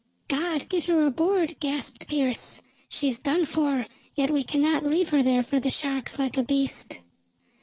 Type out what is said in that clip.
"God! Get her aboard!" gasped Pearse. "She's done for. Yet we cannot leave her there for the sharks, like a beast!"